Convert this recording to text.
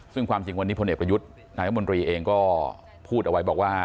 ซึ่งความจริงวันนี้พลเอกประยุทธ์นายมนตรีเองก็พูดเอาไว้บอกว่า